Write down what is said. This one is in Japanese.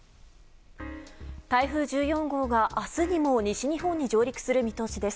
台風１４号が明日にも西日本に上陸する見通しです。